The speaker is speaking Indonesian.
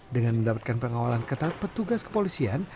dengan mendapatkan pengawalan ketat petugas kepolisian